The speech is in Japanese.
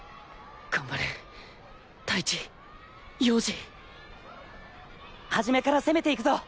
頑張れ太一陽次はじめから攻めていくぞ。